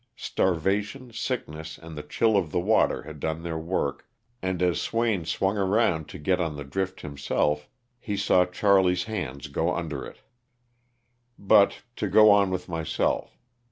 Starvation, sick ness, and the chill of the water had done their work, and as Swain swung around to get on the drift himself he saw Charlie's hands go under it. LOSS OF THE SULTANA. 211 But to go on with myself.